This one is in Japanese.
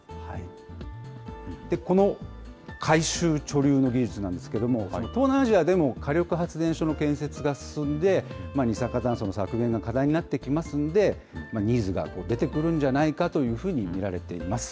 この回収・貯留の技術なんですけれども、東南アジアでも火力発電所の建設が進んで、二酸化炭素の削減が課題になってきますんで、ニーズが出てくるんじゃないかというふうに見られています。